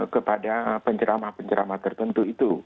kepada penceramah penceramah tertentu itu